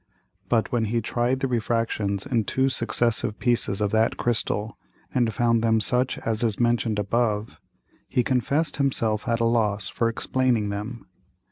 But when he tried the Refractions in two successive pieces of that Crystal, and found them such as is mention'd above; he confessed himself at a loss for explaining them.